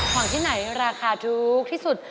ของที่ไหนราคาถูกที่สุด